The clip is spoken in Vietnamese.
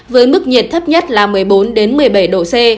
với mức nhiệt thấp nhất là một mươi bốn một mươi bảy độ c